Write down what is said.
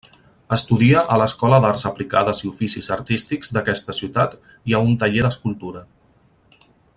Estudia a l’Escola d’Arts Aplicades i Oficis Artístics d'aquesta ciutat i a un taller d’escultura.